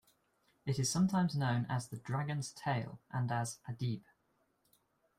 It is sometimes known as the "Dragon's Tail" and as "Adib".